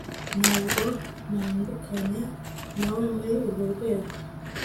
Ntabwo ntandukanye nawe muri urwo rwego